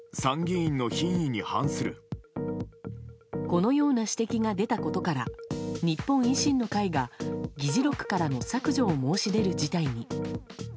このような指摘が出たことから日本維新の会が議事録からの削除を申し出る事態に。